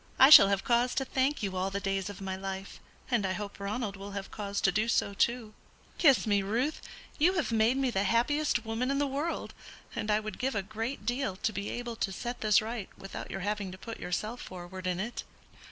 I shall have cause to thank you all the days of my life, and I hope Ronald will have cause to do so too. Kiss me, Ruth; you have made me the happiest woman in the world, and I would give a great deal to be able to set this right without your having to put yourself forward in it."